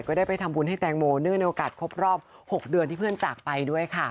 ได้ไปทำบุญให้แตงโมเนื่องในโอกาสครบรอบ๖เดือนที่เพื่อนจากไปด้วยค่ะ